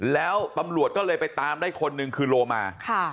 แล้วตำรวจก็เลยไปตามได้คนหนึ่งคือโลมา